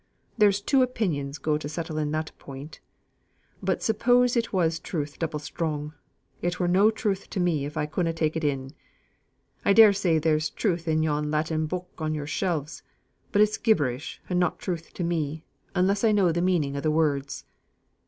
There's two opinions go to settling that point. But suppose it was truth double strong, it were no truth to me if I couldna take it in. I daresay there's great truth in yon Latin book on your shelves; but it's gibberish and not truth to me, unless I know the meaning o' the words.